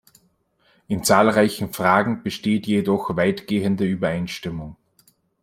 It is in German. In zahlreichen Fragen besteht jedoch weitgehende Übereinstimmung.